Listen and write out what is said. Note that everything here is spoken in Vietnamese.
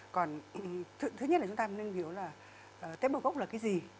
còn thứ nhất là chúng ta nên hiểu là tế bào gốc là cái gì